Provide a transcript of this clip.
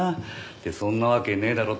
ってそんなわけねえだろ。